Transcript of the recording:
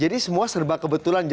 jadi semua serba kebetulan